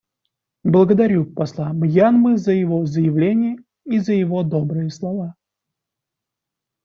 Благодарю посла Мьянмы за его заявление и за его добрые слова.